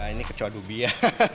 ini kecoa dubia